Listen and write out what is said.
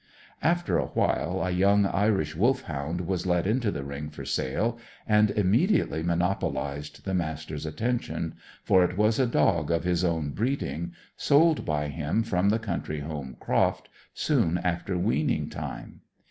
After a while a young Irish Wolfhound was led into the ring for sale, and immediately monopolized the Master's attention, for it was a dog of his own breeding, sold by him from the country home, Croft, soon after weaning time.